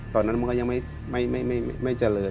ตอนนั้นมันก็ยังไม่เจริญ